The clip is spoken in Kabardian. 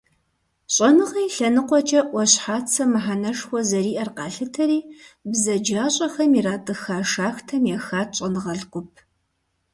ЩӀэныгъэ и лъэныкъуэкӀэ Ӏуащхьацэ мыхьэнэшхуэ зэриӀэр къалъытэри, бзаджащӀэхэм иратӀыха шахтэм ехат щӀэныгъэлӀ гуп.